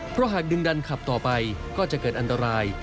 เพราะหากดึงดันขับต่อไปก็จะเกิดอันตราย